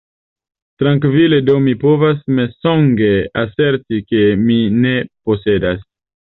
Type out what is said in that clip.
Trankvile do mi povas mensoge aserti, ke mi ne posedas.